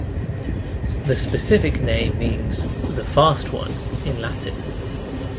The specific name means "the fast one" in Latin.